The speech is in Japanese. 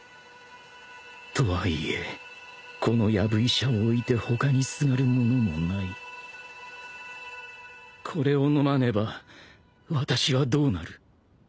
とはいえこのやぶ医者をおいて他にすがる者もないこれを飲まねば私はどうなる。